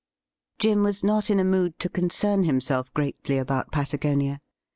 Jim was not in a mood to concern himself greatly about Patagonia.